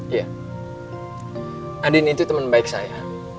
iya adin itu teman baik saya